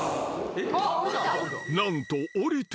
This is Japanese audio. ［何と］